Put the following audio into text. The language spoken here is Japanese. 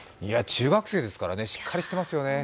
中学生ですからね、しっかりしてますよね。